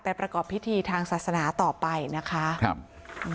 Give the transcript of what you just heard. ประกอบพิธีทางศาสนาต่อไปนะคะครับ